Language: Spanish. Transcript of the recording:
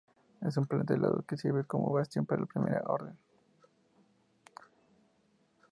Es un planeta helado, que sirve como bastión para la Primera Orden.